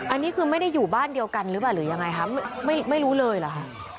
อันนี้คือไม่ได้อยู่บ้านเดียวกันหรือเปล่าหรือยังไงคะไม่รู้เลยเหรอคะ